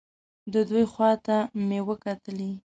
د دوی خوا ته مې وکتلې.